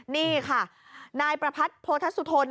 นี่ค่ะนายประพัฒน์โพทัศน์สุธน